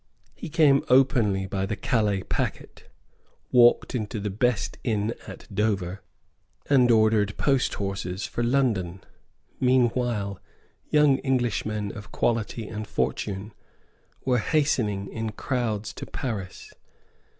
He came openly by the Calais packet, walked into the best inn at Dover, and ordered posthorses for London. Meanwhile young Englishmen of quality and fortune were hastening in crowds to Paris.